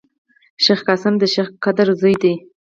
شېخ قاسم دشېخ قدر زوی دﺉ.